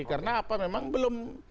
karena apa memang belum